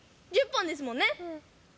１０本ですもんね。